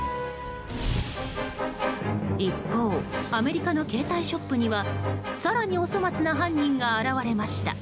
一方アメリカの携帯ショップには更にお粗末な犯人が現れました。